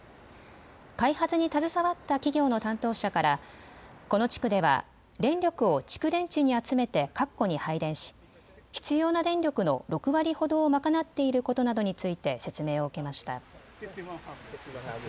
開発に携わった企業の担当者からこの地区では電力を蓄電池に集めて各戸に配電し必要な電力の６割ほどを賄っていることなどについて説明を受けました。